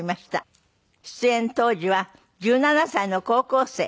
出演当時は１７歳の高校生。